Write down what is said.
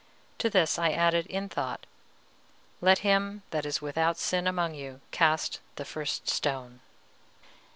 To this I added in thought: "Let him that is without sin among you cast the first stone."